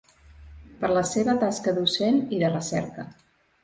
Per la seva tasca docent i de recerca.